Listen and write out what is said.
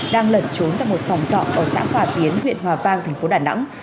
đang lẩn trốn tại một phòng trọ ở xã hòa tiến huyện hòa vang thành phố đà nẵng